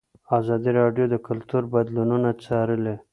ازادي راډیو د کلتور بدلونونه څارلي.